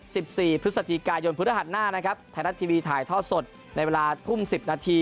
ในวันที่๑๔พฤษฎิกายนพฤหัสนานะครับโทรทรัศน์ทีวีถ่ายทอดสดในเวลา๑๐๓๐น